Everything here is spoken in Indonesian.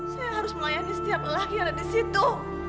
saya harus melayani setiap lelaki ada di situ